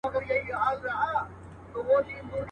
چي له لاسه مي دهقان لره كور اور سو.